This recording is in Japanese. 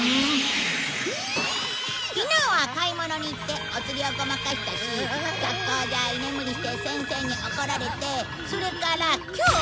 昨日は買い物に行っておつりをごまかしたし学校じゃ居眠りして先生に怒られてそれから今日も。